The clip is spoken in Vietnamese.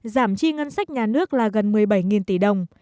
giảm chi ngân sách nhà nước là gần một mươi bảy tỷ đồng